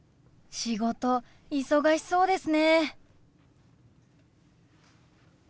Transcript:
仕事忙しそうですね。